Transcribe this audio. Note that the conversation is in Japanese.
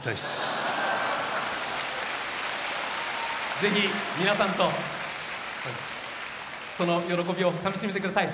ぜひ皆さんとその喜びをかみしめてください。